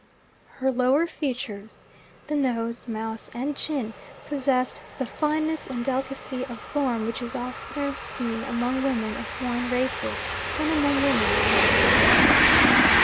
Her lower features the nose, mouth, and chin possessed the fineness and delicacy of form which is oftener seen among women of foreign races than among women of English birth.